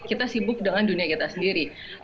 kita sibuk dengan dunia kita sendiri